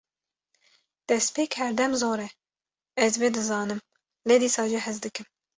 Destpêk herdem zor e, ez vê dizanim lê dîsa jî hez dikim